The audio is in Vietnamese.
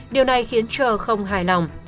điều này khiến trờ không hài lòng